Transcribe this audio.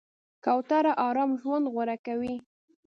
کوتره آرام ژوند غوره کوي.